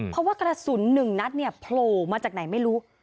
เพราะว่ากระสุน๑นัดเนี่ยโผล่มาจากไหนไม่รู้